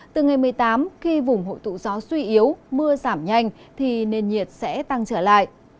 từ ngày một mươi tám khi vùng hội tụ gió suy yếu mưa giảm nhanh thì nền nhiệt sẽ tăng trở lại